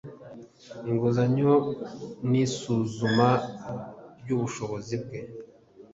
inguzanyo n isuzuma ry ubushobozi bwe